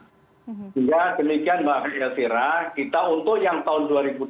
sehingga demikian mbak elvira kita untuk yang tahun dua ribu dua puluh